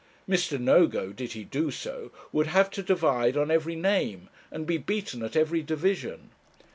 Mr. Nogo, did he do so, would have to divide on every name, and be beaten at every division.